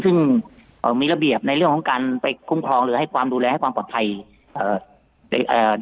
ซึ่งมีระเบียบในการไปคุ้มครองเรื่องความดูแลให้ความปลอดภัยอยู่แล้วครับ